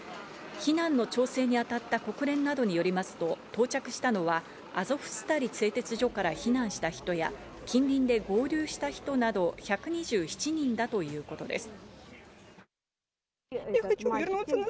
避難の調整にあたった国連などによりますと到着したのはアゾフスタリ製鉄所から避難した人や近隣で合流した人など１２７人だということです。